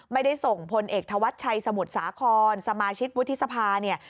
ไม่ได้ส่งพลเอกธวัชชัยสมุทรสาครสมาชิกวุฒิสภาเนี่ย